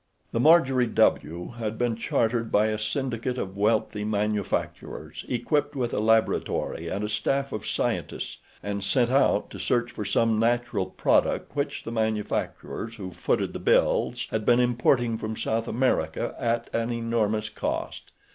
The Marjorie W. had been chartered by a syndicate of wealthy manufacturers, equipped with a laboratory and a staff of scientists, and sent out to search for some natural product which the manufacturers who footed the bills had been importing from South America at an enormous cost.